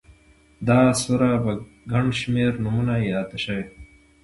دا سوره په گڼ شمېر نومونو ياده شوې